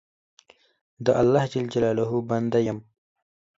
د الله جل جلاله بنده یم.